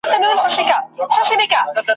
د سرتورو انګولا ده د بګړیو جنازې دي !.